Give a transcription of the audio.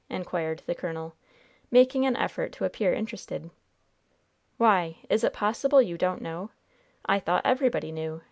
inquired the colonel, making an effort to appear interested. "Why! is it possible you don't know? I thought everybody knew!"